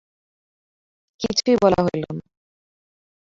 কিছুই বলা হইল না।